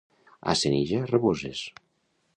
A Senija, raboses.